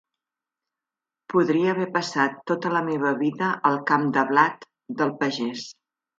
Podria haver passat tota la meva vida al camp de blat del pagès.